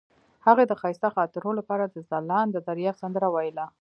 هغې د ښایسته خاطرو لپاره د ځلانده دریاب سندره ویله.